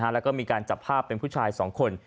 แล้วก็มีการจับภาพเป็นผู้ชาย๒คน